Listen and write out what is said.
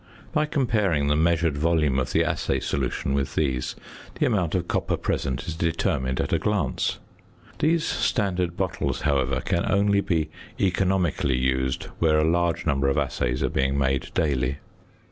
By comparing the measured volume of the assay solution with these, the amount of copper present is determined at a glance. These standard bottles, however, can only be economically used where a large number of assays are being made daily.